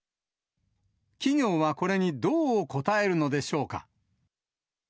企業はこれにどう応えるのでしょうか。